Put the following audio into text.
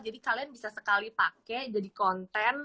jadi kalian bisa sekali pake jadi konten